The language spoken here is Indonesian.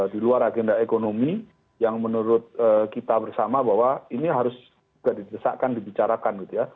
di luar agenda ekonomi yang menurut kita bersama bahwa ini harus juga didesakkan dibicarakan gitu ya